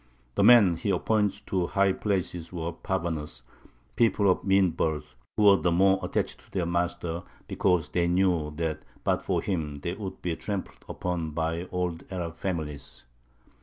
The men he appointed to high places were parvenus, people of mean birth, who were the more attached to their master because they knew that but for him they would be trampled upon by the old Arab families.